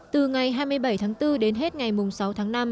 từ ngày hai mươi bảy tháng bốn đến hết ngày sáu tháng năm